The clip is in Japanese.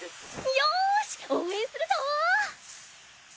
よし応援するぞ！